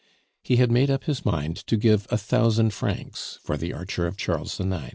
He had made up his mind to give a thousand francs for _The Archer of Charles IX.